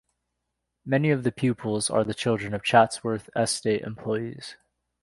Many of the pupils are the children of Chatsworth estate employees.